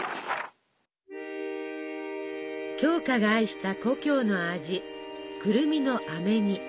鏡花が愛した故郷の味くるみのあめ煮。